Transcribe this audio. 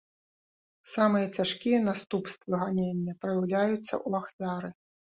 Самыя цяжкія наступствы ганення праяўляюцца ў ахвяры.